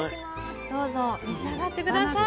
どうぞ召し上がって下さい。